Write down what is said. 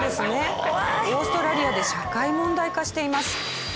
オーストラリアで社会問題化しています。